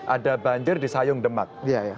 ada banjir di sayung demak